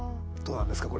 どうなんですか？